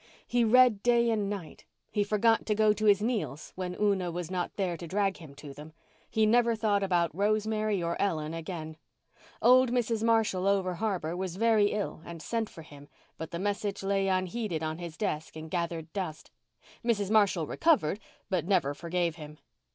He read day and night; he forgot to go to his meals when Una was not there to drag him to them; he never thought about Rosemary or Ellen again. Old Mrs. Marshall, over harbour, was very ill and sent for him, but the message lay unheeded on his desk and gathered dust. Mrs. Marshall recovered but never forgave him.